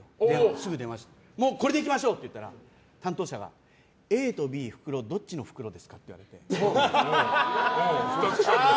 すぐ電話してこれでいきましょうって言ったら担当者がＡとＢの袋どっちの袋ですか？って言って。